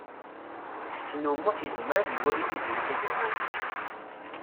Ḥsen U Muḥ yezmer ad iwali Tiziri Tagawawt.